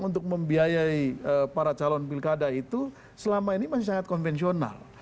untuk membiayai para calon pilkada itu selama ini masih sangat konvensional